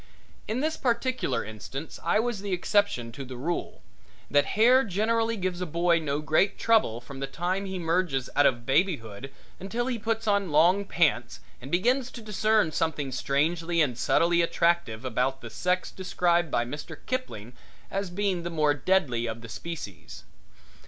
In this particular instance I was the exception to the rule, that hair generally gives a boy no great trouble from the time he merges out of babyhood until he puts on long pants and begins to discern something strangely and subtly attractive about the sex described by Mr. Kipling as being the more deadly of the species.